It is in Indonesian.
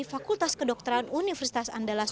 fakultas kedokteran universitas andalasia